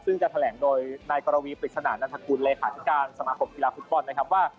ซึ่งจะแถลงโดยนายกรวีปริศนานันทกุลเลขาธิการสมาคมกีฬาฟุตบอลนะครับว่า